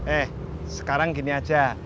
eh sekarang gini aja